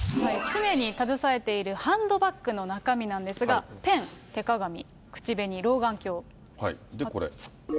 常に携えているハンドバッグの中身なんですが、ペン、手鏡、口紅、で、これ。